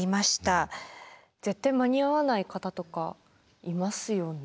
絶対間に合わない方とかいますよね。